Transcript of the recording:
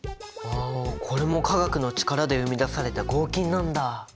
ああこれも化学の力で生み出された合金なんだ。